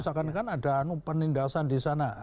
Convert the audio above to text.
seakan akan ada penindasan disana